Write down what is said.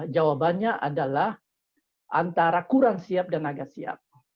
jawabannya adalah antara kurang siap dan agak siap